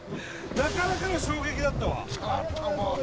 なかなかの衝撃だったわ